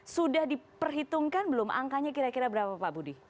sudah diperhitungkan belum angkanya kira kira berapa pak budi